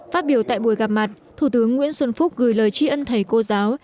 phát biểu tại buổi gặp mặt thủ tướng nguyễn xuân phúc gửi lời tri ân thầy cô giáo